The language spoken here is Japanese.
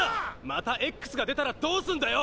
また“Ｘ”が出たらどうすんだよ！